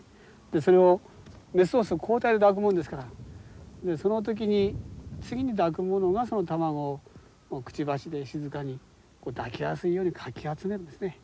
それをメスオス交代で抱くもんですからその時に次に抱く者がその卵をくちばしで静かに抱きやすいようにかき集めるんですね。